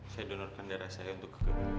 saya donorkan darah saya untuk